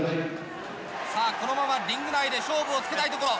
このままリング内で勝負をつけたいところ。